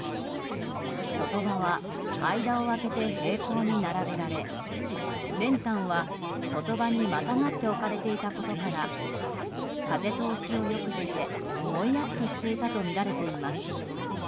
卒塔婆は間を空けて平行に並べられ練炭は、卒塔婆にまたがって置かれていたことから風通しを良くして燃えやすくしていたとみられています。